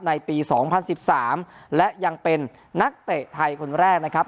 ในปี๒๐๑๓และยังเป็นนักเตะไทยคนแรกนะครับ